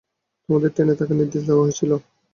তোমাদের ট্রেনে থাকার নির্দেশ দেওয়া হয়েছিল।